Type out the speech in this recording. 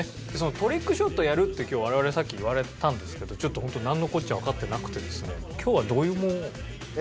トリックショットやるって今日我々さっき言われたんですけどちょっとホントなんのこっちゃわかってなくてですね。